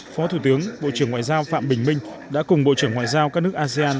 phó thủ tướng bộ trưởng ngoại giao phạm bình minh đã cùng bộ trưởng ngoại giao các nước asean